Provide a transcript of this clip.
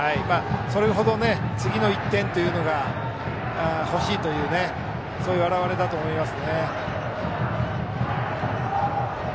それほど次の１点というのが欲しいという表れだと思います。